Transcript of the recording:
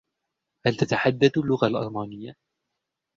هل تتحدث اللغة الألمانية؟